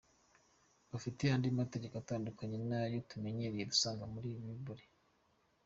Bafite andi mategeko atandukanye n’ayo tumenyereye dusanga muli Bible.